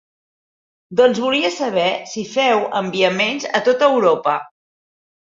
Doncs volia saber si feu enviaments a tot Europa.